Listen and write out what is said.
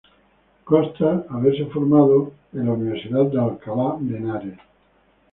Consta haberse formado en la Universidad de Alcalá de Henares.